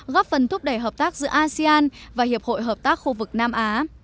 góp phần thúc đẩy hợp tác giữa asean và hiệp hội hợp tác khu vực nam á